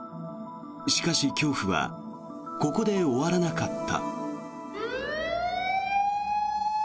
しかし、恐怖はここで終わらなかった。